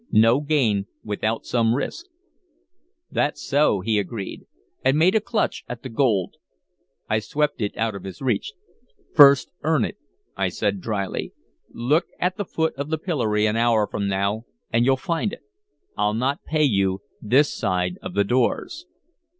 No gain without some risk." "That's so," he agreed, and made a clutch at the gold. I swept it out of his reach. "First earn it," I said dryly. "Look at the foot of the pillory an hour from now and you'll find it. I'll not pay you this side of the doors."